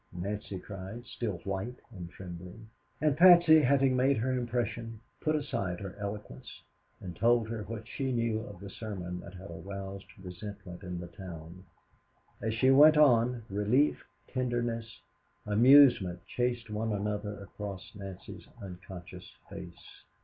Nancy cried, still white and trembling. And Patsy, having made her impression, put aside her eloquence, and told her what she knew of the sermon that had aroused resentment in the town. As she went on, relief, tenderness, amusement chased one another across Nancy's unconscious face.